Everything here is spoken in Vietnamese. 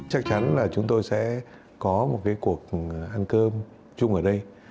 chắc chắn là chúng tôi sẽ có một cái cuộc ăn cơm chung ở đây